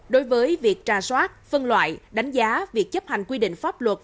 đối với việc trà soát phân loại đánh giá việc chấp hành quy định pháp luật